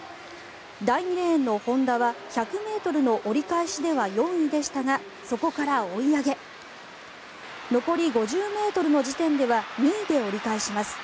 第２レーンの本多は１００ｍの折り返しでは４位でしたがそこから追い上げ残り５０ｍの時点では２位で折り返します。